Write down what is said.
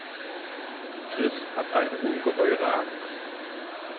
Chris hat eine ungeheure Angst.